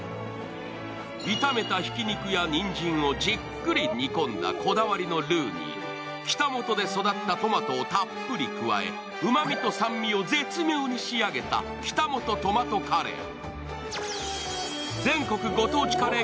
炒めたひき肉やにんじんをじっくり煮込んだこだわりのルーに北本で育ったトマトをたっぷりと加えうまみと酸味を絶妙に仕上げた北本トマトカレー。